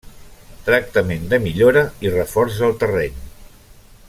Tractament de millora i reforç del terreny.